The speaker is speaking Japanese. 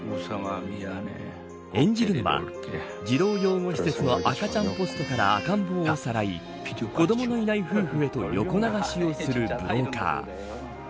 演じるのは児童養護施設の赤ちゃんポストから赤ん坊をさらい子どものいない夫婦へと横流しするブローカー。